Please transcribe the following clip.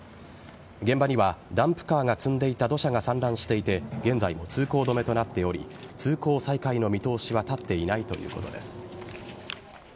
現場にはダンプカーが積んでいた土砂が散乱していて現在も通行止めとなっており通行再開の見通しは立っていないということです。